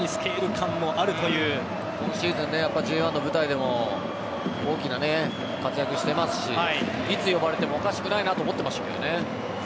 今シーズン、Ｊ１の舞台でも大きな活躍をしていますしいつ呼ばれてもおかしくないなと思っていましたけどね。